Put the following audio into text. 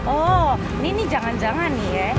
oh ini nih jangan jangan nih ya